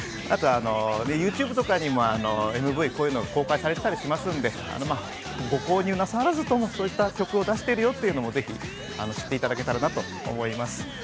ＹｏｕＴｕｂｅとかにもＭＶとか公開されてたりするんで、ご購入なさらずとも、そういった曲を出してるよということを知っていただけたらなと思います。